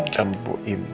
dan bu im